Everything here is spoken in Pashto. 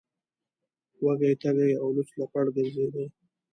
وږی تږی او لوڅ لپړ ګرځیده.